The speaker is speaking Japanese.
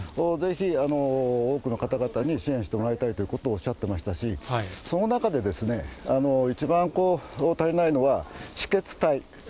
ぜひ多くの方々に支援してもらいたいということをおっしゃってましたし、その中でですね、一番足りないのは止血帯。